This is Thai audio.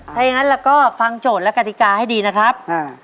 ถ้าอย่างนั้นเราก็ฟังโจทย์และกฎิกาให้ดีนะครับ